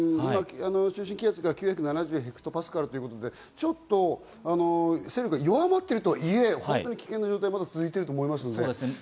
中心気圧が９７５ヘクトパスカルということで、ちょっと勢力が弱まってるとはいえ、危険な状態が続いていると思います。